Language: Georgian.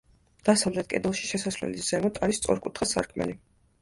დასავლეთ კედელში, შესასვლელის ზემოთ, არის სწორკუთხა სარკმელი.